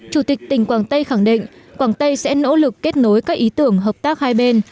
chủ tịch tỉnh quảng tây khẳng định quảng tây sẽ nỗ lực kết nối các ý tưởng hợp tác hai bên